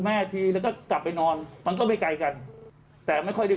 แม่ทีแล้วก็กลับไปนอนมันก็ไม่ไกลกันแต่ไม่ค่อยได้